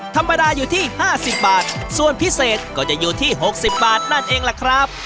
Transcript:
ธรรมดาอยู่ที่๕๐บาทส่วนพิเศษก็จะอยู่ที่๖๐บาทนั่นเองล่ะครับ